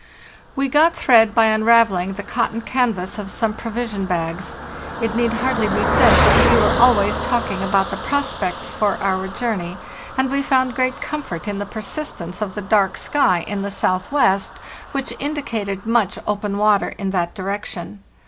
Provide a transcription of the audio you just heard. We got thread by unravel ling the cotton canvas of some provision bags. It need hardly be said that we were always talking about the prospects for our journey, and we found great comfort in the persistence of the dark sky in the southwest, which THE NEW YEAR, 18096 475 indicated much open water in that direction.